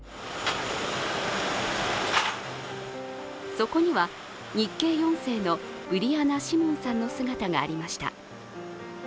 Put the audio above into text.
そこには、日系４世のブリアナ・シモンさんの姿がありました。